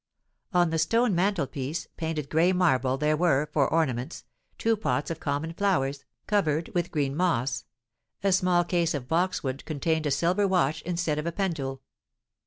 On the stone mantelpiece, painted gray marble, there were, for ornaments, two pots of common flowers, covered in with green moss; a small case of boxwood contained a silver watch instead of a pendule.